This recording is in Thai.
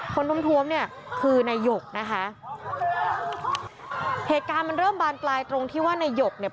ท้มทวมเนี่ยคือนายหยกนะคะเหตุการณ์มันเริ่มบานปลายตรงที่ว่านายหยกเนี่ย